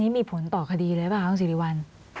มันมีผลต่อคดีเลยไหมคะคุณสิริวัล